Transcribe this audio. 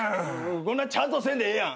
こんなちゃんとせんでええやん。